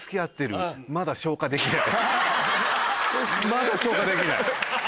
まだ消化できない。